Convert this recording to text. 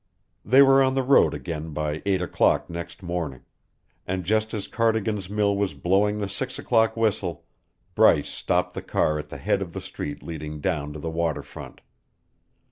They were on the road again by eight o'clock next morning, and just as Cardigan's mill was blowing the six o'clock whistle, Bryce stopped the car at the head of the street leading down to the water front.